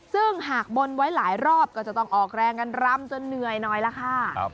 ซึ่งหากบนไว้หลายรอบก็จะต้องออกแรงกันรำจนเหนื่อยหน่อยล่ะค่ะ